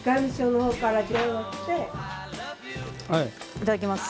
いただきます。